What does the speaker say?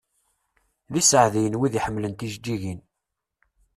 D iseɛdiyen wid i iḥemmlen tjeǧǧigin.